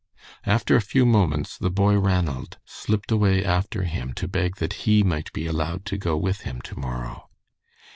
After a few moments the boy Ranald slipped away after him to beg that he might be allowed to go with him to morrow.